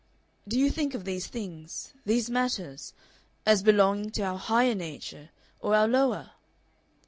"Do you think of these things these matters as belonging to our Higher Nature or our Lower?"